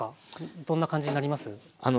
どんな感じになります？